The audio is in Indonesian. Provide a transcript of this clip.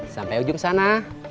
sampai ujung sana